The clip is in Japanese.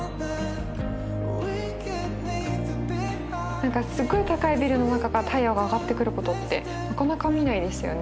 何かすごい高いビルの中から太陽が上がってくることってなかなか見ないですよね。